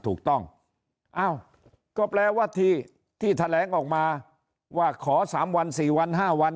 ถูกต้องอ้าวก็แปลว่าที่แถลงออกมาว่าขอ๓วัน๔วัน๕วัน